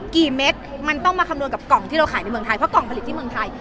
เม็ดมันต้องมาคำนวณกับกล่องที่เราขายในเมืองไทยเพราะกล่องผลิตที่เมืองไทย